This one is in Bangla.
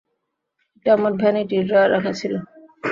এটা আমার ভ্যানিটি ড্রয়ারে রাখা ছিল।